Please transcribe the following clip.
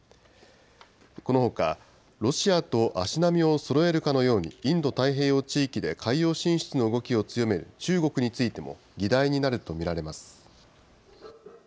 このほか、ロシアと足並みをそろえるかのようにインド太平洋地域で海洋進出の動きを強める中国についても議題になると見られます。